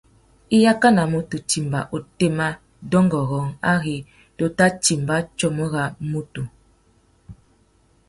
I yakanamú u timba otémá dôngôrông ari u tà timba tsumu râ mutu.